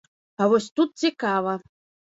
А вось тут цікава.